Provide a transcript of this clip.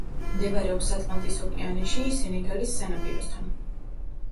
მდებარეობს ატლანტის ოკეანეში, სენეგალის სანაპიროსთან.